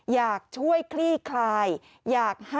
อยากช่วยคลี่คลาย